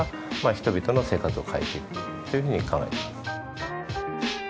人々の生活を変えていくというふうに考えています。